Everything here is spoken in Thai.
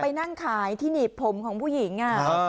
นั่งขายที่หนีบผมของผู้หญิง